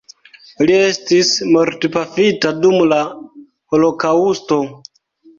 Li estis mortpafita dum la holokaŭsto.